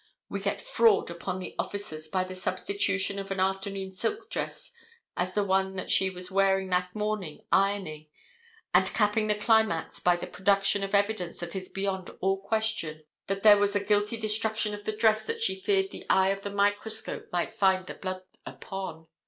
We get fraud upon the officers by the substitution of an afternoon silk dress as the one that she was wearing that morning ironing, and capping the climax by the production of evidence that is beyond all question, that there was a guilty destruction of the dress that she feared the eye of the microscope might find the blood upon.